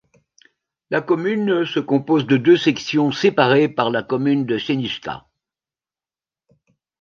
La commune se compose de deux sections séparées par la commune de Senička.